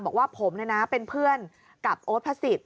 บอกว่าผมเนี่ยนะเป็นเพื่อนกับโอ๊ตพระสิทธิ์